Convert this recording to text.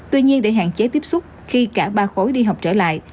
tuy nhiên để hạn chế tiếp xúc khi cả ba khối đi học trở lại